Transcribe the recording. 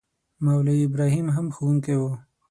مولوي ابراهیم هم ښوونکی وو.